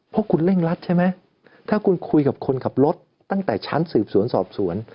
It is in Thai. เพราะคุณเร่งรัดใช่ไหมถ้าคุณคุยกับคนขับรถตั้งแต่ชั้นสืบสวนสอบสวน